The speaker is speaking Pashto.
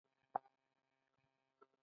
یو چینايي شنونکی په دې اړه وايي.